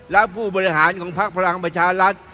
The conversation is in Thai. และผู้บริหารของพักพลังประชารัฐ